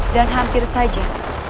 dan hampir saja